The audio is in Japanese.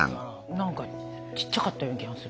何かちっちゃかったような気がする。